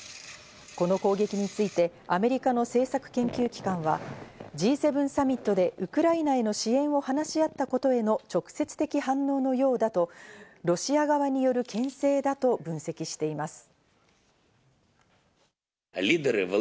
この攻撃についてアメリカの政策研究機関はＧ７サミットでウクライナへの支援を話し合ったことへの直接的反応のようだと、ロシア側によるけん制だと分析しています。